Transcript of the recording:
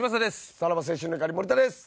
さらば青春の光森田です。